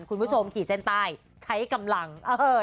คุณผู้ชมขี่เส้นใต้ใช้กำลัง